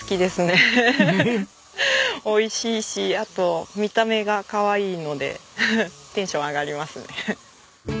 美味しいしあと見た目がかわいいのでテンション上がりますね。